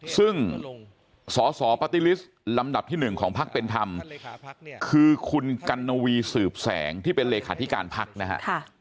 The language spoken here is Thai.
ซึ่งสสปาร์ตี้ลิสต์ลำดับที่๑ของพักเป็นธรรมคือคุณกัณวีสืบแสงที่เป็นเลขาธิการพักนะฮะ